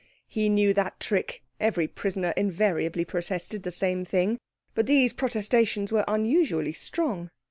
He knew that trick; every prisoner invariably protested the same thing. But these protestations were unusually strong.